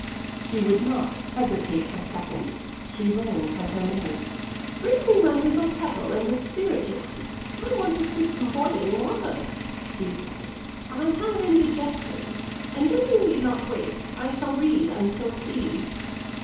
She would not hesitate a second. She rang for her maid. "Bring me my little kettle and the spirit lamp. I want to sip some boiling water," she said. "I have indigestion. And then you need not wait I shall read until tea."